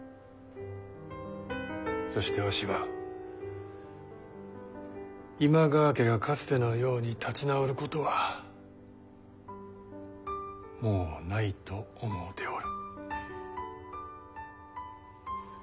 そしてわしは今川家がかつてのように立ち直ることはもうないと思うておる。